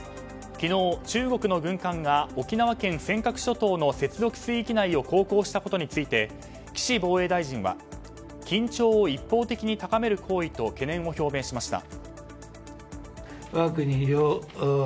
昨日、中国の軍艦が沖縄県尖閣諸島の接続水域内を航行したことについて岸防衛大臣は緊張を一方的に高める行為と懸念を表明しました。